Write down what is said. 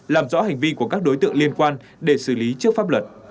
làm rõ hành vi của các đối tượng liên quan để xử lý trước pháp luật